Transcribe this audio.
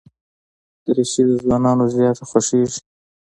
دریشي ځوانان زیات خوښوي.